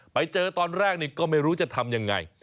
ไปเจอตอนแรกนี่ก็ไม่รู้จะทำยังไง